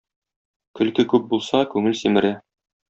Көлке күп булса күңел симерә.